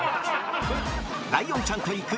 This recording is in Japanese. ライオンちゃんと行く！